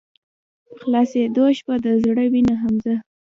په خلاصيدو شــوه د زړه وينه حمزه